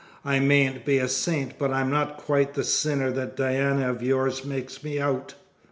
I mayn't be a saint, but I'm not quite the sinner that Diana of yours makes me out."